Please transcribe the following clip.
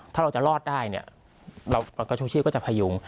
ถ้าเราจะรอดได้เนี่ยกระชูชีพก็จะพยุง